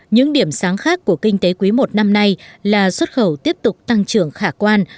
những điểm sáng khác của kinh tế quý i năm nay là xuất khẩu tiếp tục tăng trưởng khả quan